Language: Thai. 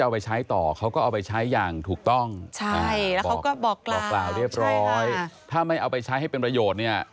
บอกกล่าวเรียบร้อยถ้าไม่เอาไปใช้ให้เป็นประโยชน์